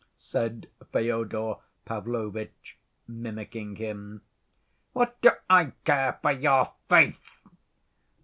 said Fyodor Pavlovitch, mimicking him. "What do I care for your faith?"